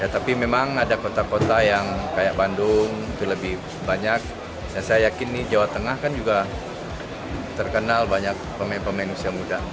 tapi memang ada kota kota yang kayak bandung itu lebih banyak dan saya yakin nih jawa tengah kan juga terkenal banyak pemain pemain usia muda